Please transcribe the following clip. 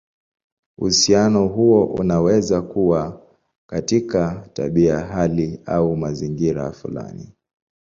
Uhusiano huo unaweza kuwa katika tabia, hali, au mazingira fulani.